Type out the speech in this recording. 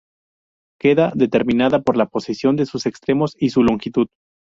Queda determinada por la posición de sus extremos y su longitud.